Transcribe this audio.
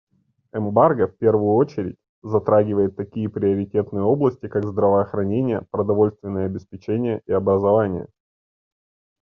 Эмбарго в первую очередь затрагивает такие приоритетные области, как здравоохранение, продовольственное обеспечение и образование.